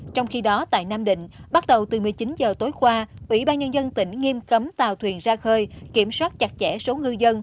trong khi đó tại nam định bắt đầu từ một mươi chín h tối qua ủy ban nhân dân tỉnh nghiêm cấm tàu thuyền ra khơi kiểm soát chặt chẽ số ngư dân